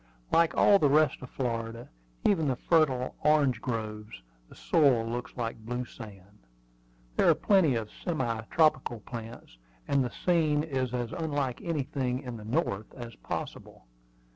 Like all the rest of Florida, even the fertile orange groves, the soil looks like blue sand. There are plenty of semi tropical plants, and the scene is as unlike anything in the North as possible.